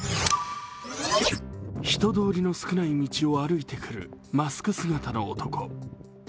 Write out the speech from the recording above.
人通りの少ない道を歩いてくるマスク姿の男。